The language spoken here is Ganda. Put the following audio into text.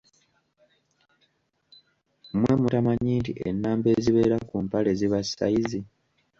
Mmwe mutamanyi nti ennamba ezibeera ku mpale ziba sayizi.